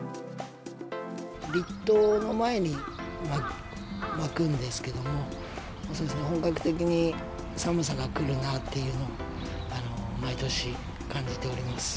立冬の前に巻くんですけども、本格的に寒さが来るなっていうのを毎年感じております。